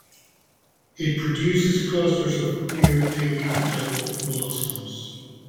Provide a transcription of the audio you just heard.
It produces clusters of clear pink double blossoms.